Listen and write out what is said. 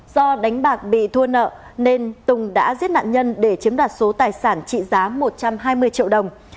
do đánh bạc bị thua nợ nên tùng đã giết nạn nhân để chiếm đoạt số tài sản trị giá một trăm hai mươi triệu đồng